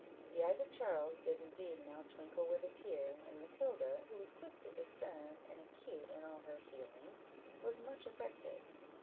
The eyes of Charles did indeed now twinkle with a tear; and Matilda, who was quick to discern, and acute in all her feelings, was much affected.